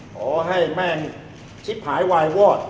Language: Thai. ขอให้แม่งชิบหายวายวอด